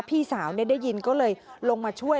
พี่สาวได้ยินก็เลยลงมาช่วย